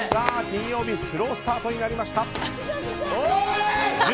金曜日スロースタートになりました。